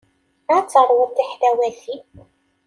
Ad teṛwuḍ tiḥlawatin.